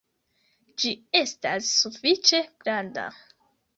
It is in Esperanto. Ĝi estas sufiĉe granda